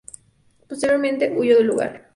Posteriormente, huyó del lugar.